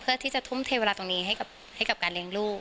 เพื่อที่จะทุ่มเทเวลาตรงนี้ให้กับการเลี้ยงลูก